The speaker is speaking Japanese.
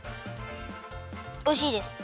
おいしいです。